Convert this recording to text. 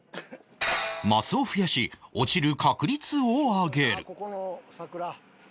マスを増やし落ちる確率を上げる